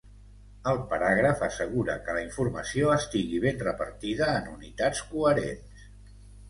El paràgraf assegura que la informació estigui ben repartida en unitats coherents.